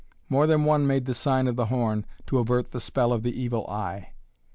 More than one made the sign of the horn, to avert the spell of the evil eye.